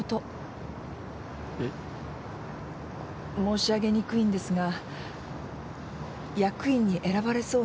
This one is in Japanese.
えっ？申し上げにくいんですが役員に選ばれそうにない。